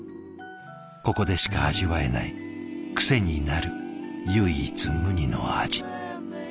ここでしか味わえない癖になる唯一無二の味。